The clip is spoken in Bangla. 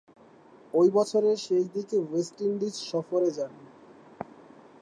ঐ বছরের শেষদিকে ওয়েস্ট ইন্ডিজ সফরে যান।